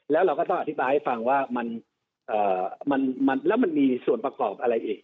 แล้วเราก็ต้องอธิบายให้ฟังว่าแล้วมันมีส่วนประกอบอะไรอีก